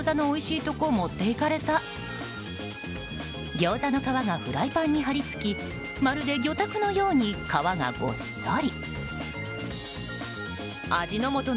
ギョーザの皮がフライパンに張り付きまるで魚拓のように皮がごっそり。